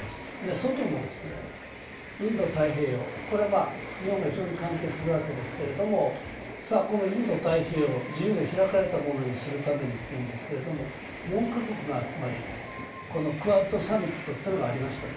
外もインド太平洋、これは日本が非常に関係するわけですけれども、さあ、このインド太平洋を自由で開かれたものにするためにというんですけど、４カ国の集まり、クアッドサミットというのがありました。